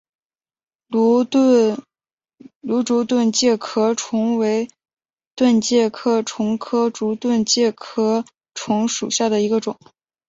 芦竹盾介壳虫为盾介壳虫科竹盾介壳虫属下的一个种。